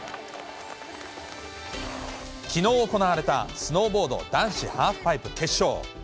きのう行われたスノーボード男子ハーフパイプ決勝。